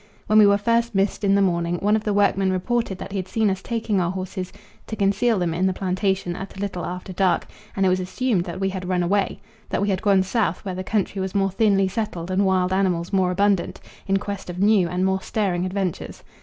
When we were first missed in the morning, one of the workmen reported that he had seen us taking our horses to conceal them in the plantation at a little after dark, and it was assumed that we had run away that we had gone south where the country was more thinly settled and wild animals more abundant, in quest of new and more stirring adventures.